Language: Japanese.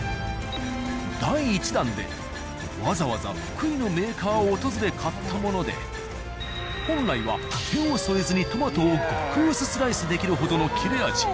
第１弾でわざわざ福井のメーカーを訪れ買ったもので本来は手を添えずにトマトを極薄スライスできるほどの切れ味。